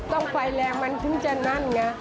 ไฟแรงมันถึงจะนั่นไง